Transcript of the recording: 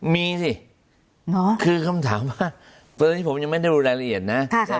มีสิคือคำถามว่าตอนนี้ผมยังไม่ได้รู้รายละเอียดนะ